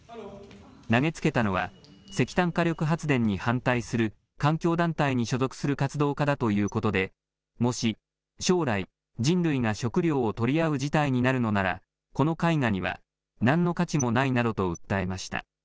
投げつけたのは、石炭火力発電に反対する環境団体に所属する活動家だということで、もし将来、人類が食料を取り合う事態になるのなら、この絵画にはなんの価値もないなどと訴えました。